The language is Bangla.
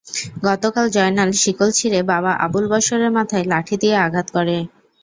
গতকাল জয়নাল শিকল ছিঁড়ে বাবা আবুল বশরের মাথায় লাঠি দিয়ে আঘাত করে।